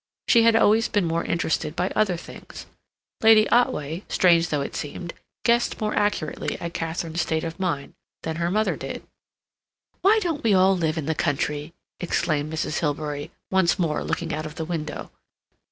She had always been more interested by other things. Lady Otway, strange though it seemed, guessed more accurately at Katharine's state of mind than her mother did. "Why don't we all live in the country?" exclaimed Mrs. Hilbery, once more looking out of the window.